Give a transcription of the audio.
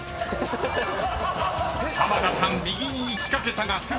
［濱田さん右に行きかけたがすぐ戻る！］